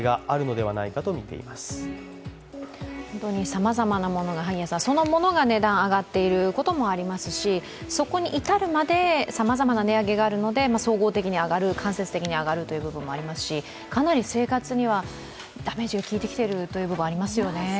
さまざまなものがそのものが値段が上がっていることもありますしそこに至るまでさまざまな値上げがあるので、総合的に上がる、間接的に上がるという部分もありますし、かなり生活にはダメージが効いてきているというのもありますよね。